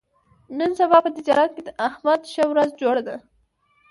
نن سبا په تجارت کې د احمد ښه ورځ جوړه ده.